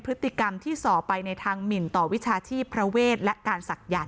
พฤติกรรมที่ส่อไปในทางหมินต่อวิชาชีพพระเวทและการศักยันต